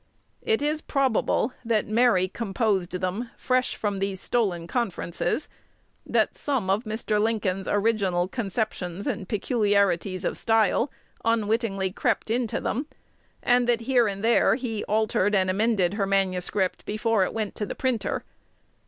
It is probable that Mary composed them fresh from these stolen conferences; that some of Mr. Lincoln's original conceptions and peculiarities of style unwittingly crept into them, and that here and there he altered and amended the manuscript before it went to the printer.